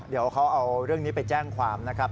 เดี๋ยวเขาเอาเรื่องนี้ไปแจ้งความนะครับ